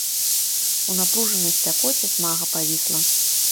У напружанай спякоце смага павісла.